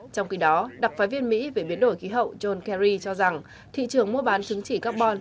trong khi đó đặc phái viên mỹ về biến đổi khí hậu john kerry cho rằng thị trường mua bán chứng chỉ carbon